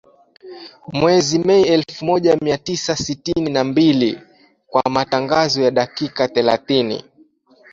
Mwezi Mei elfu moja mia tisa sitini na mbili kwa matangazo ya dakika thelathini